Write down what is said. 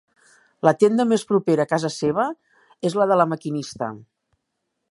La tenda més propera a casa seva és la de La Maquinista.